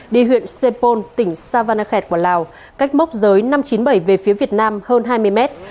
địa huyện sê pôn tỉnh sa va na khẹt của lào cách mốc giới năm trăm chín mươi bảy về phía việt nam hơn hai mươi mét